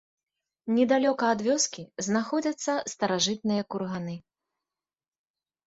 Недалёка ад вёскі знаходзяцца старажытныя курганы.